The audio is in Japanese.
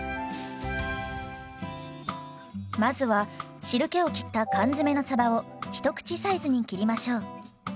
まずは汁けをきった缶詰のさばを一口サイズに切りましょう。